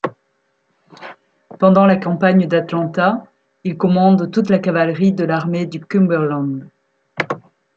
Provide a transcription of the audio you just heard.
Pendant la campagne d'Atlanta, il commande toute la cavalerie de l'armée du Cumberland.